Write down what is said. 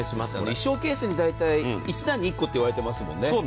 衣装ケースに大体１段に１個っていわれてますもんね。